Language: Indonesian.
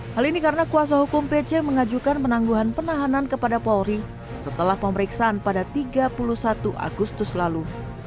hal ini karena kuasa hukum pc mengajukan penangguhan penahanan kepada polri setelah pemeriksaan pada tiga puluh satu agustus lalu